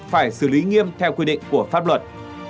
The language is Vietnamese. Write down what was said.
phải xử lý nghiêm theo quy định của pháp luật